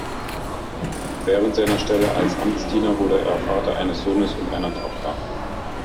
Während seiner Stelle als Amtsdiener wurde er Vater eines Sohnes und einer Tochter.